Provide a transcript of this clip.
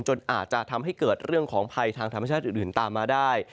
จนอาจจะทำให้เกิดเรื่องของภัยทางธรรมชาติอื่นตามมาได้